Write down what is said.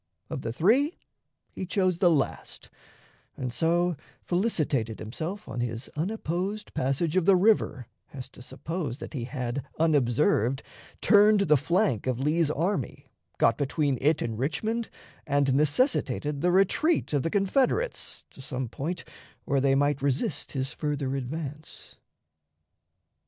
Of the three he chose the last, and so felicitated himself on his unopposed passage of the river as to suppose that he had, unobserved, turned the flank of Lee's army, got between it and Richmond, and necessitated the retreat of the Confederates to some point where they might resist his further advance.